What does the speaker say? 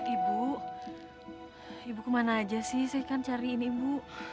ibu ibu kemana aja sih saya kan cariin ibu